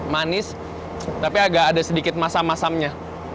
manis tapi agak ada sedikit masam masamnya